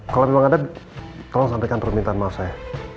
kalau memang ada tolong sampaikan permintaan maaf saya